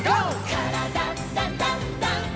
「からだダンダンダン」